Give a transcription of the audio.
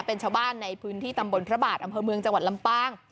เป็นชาวบ้านในพื้นที่ตำบลพระบาทอำเภอเมืองจังหวัดลำปาง